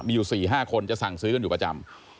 มีอยู่๔๕คนจะสั่งซื้อกันอยู่ประจำ